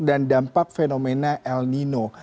dan dampak fenomena el nino